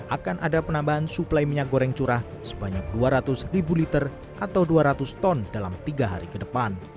akan ada penambahan suplai minyak goreng curah sebanyak dua ratus ribu liter atau dua ratus ton dalam tiga hari ke depan